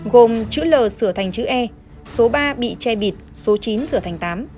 gồm chữ l sửa thành chữ e số ba bị che bịt số chín sửa thành tám